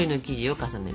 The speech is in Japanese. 重ねる？